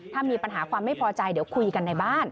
ถ้ามีปัญหาความไม่พอใจเดี๋ยวคุยกันในบ้าน